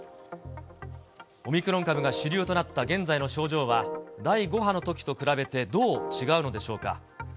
オミクロン株が主流となった現在の症状は、第５波のときと比べてどう違うのでしょうか。